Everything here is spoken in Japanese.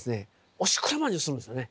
おしくらまんじゅうするんですよね。